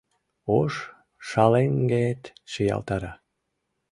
Ош шалеҥгет шиялтара